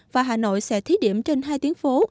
và hà nội sẽ thí điểm trên hai tuyến phố